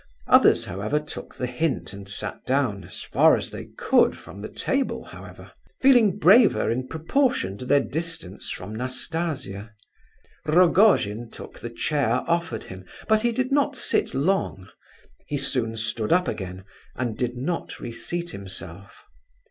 Others, however, took the hint and sat down, as far as they could from the table, however; feeling braver in proportion to their distance from Nastasia. Rogojin took the chair offered him, but he did not sit long; he soon stood up again, and did not reseat himself.